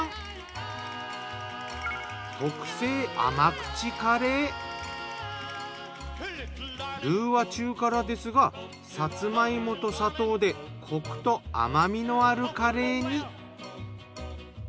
こちらがルーは中辛ですがさつま芋と砂糖でコクと甘みのあるカレーに。